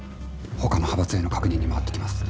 他の派閥への確認に回ってきます